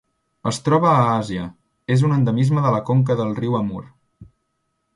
Es troba a Àsia: és un endemisme de la conca del riu Amur.